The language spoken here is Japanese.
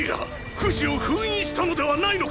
フシを封印したのではないのか⁉